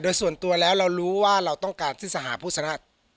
โดยส่วนตัวแล้วเรารู้ว่าเราต้องการที่สหภุษณะ